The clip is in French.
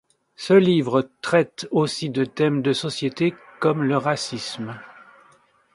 Ce livre traite aussi de thèmes de société comme le racisme.